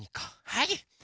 はい。